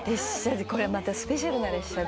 「これはまたスペシャルな列車で」